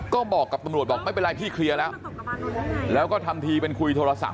ก็บอกกับตำรวจบอกไม่เป็นไรพี่เคลียร์แล้วแล้วก็ทำทีเป็นคุยโทรศัพ